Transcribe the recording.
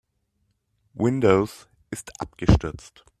Windows ist abgestürzt.